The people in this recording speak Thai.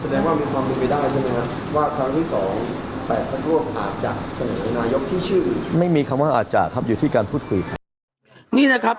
แสดงว่ามีความคิดไปได้ใช่ไหมครับ